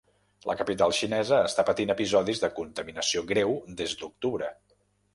La capital xinesa està patint episodis de contaminació greu des d’octubre.